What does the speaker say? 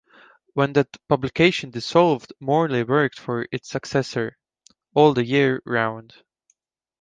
When that publication dissolved, Morley worked for its successor, "All the Year Round".